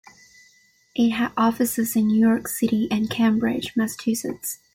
It had offices in New York City and Cambridge, Massachusetts.